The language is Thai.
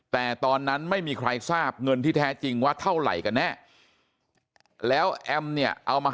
แต่ตอนนั้นไม่มีใครทราบเงินที่แท้จริงว่าเท่าไหร่กันแน่แล้วแอมเนี่ยเอามา